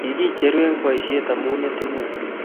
Kikicheru eng boisie amu metit ne oo.